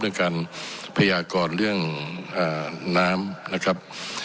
ด้วยการพยากรเรื่องน้ำนะครับ